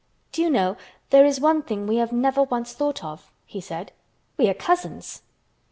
"Do you know there is one thing we have never once thought of," he said. "We are cousins."